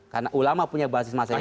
karena ulama punya basis masyarakat